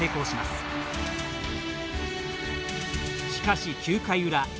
しかし、９回裏。